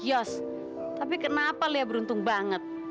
yos tapi kenapa lea beruntung banget